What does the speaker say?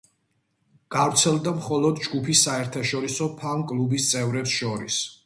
გავრცელდა მხოლოდ ჯგუფის საერთაშორისო ფან-კლუბის წევრებს შორის.